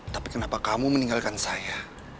tapi kenapa kamu meninggalkan saya